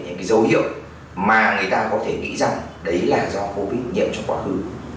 những cái dấu hiệu mà người ta có thể nghĩ rằng đấy là do covid nhiễm trong quá khứ